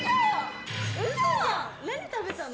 何食べたの？